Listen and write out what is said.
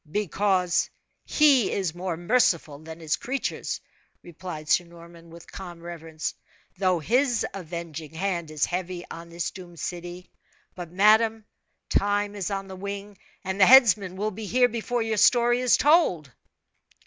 "Because He is more merciful than his creatures," replied Sir Norman, with calm reverence, "though His avenging hand is heavy on this doomed city. But, madame, time is on the wing, and the headsman will be here before your story is told."